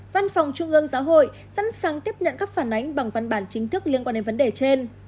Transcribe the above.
văn phòng trung ương giáo hội sẵn sàng tiếp nhận các phản ánh bằng văn bản chính thức liên quan đến vấn đề trên